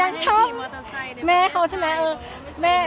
แล้วคุณแม่มาแซวไม่ได้มีมอเตอร์ไซด์ในปีนไทย